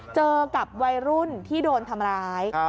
เจอกับวัยรุ่นที่โดนทำร้าย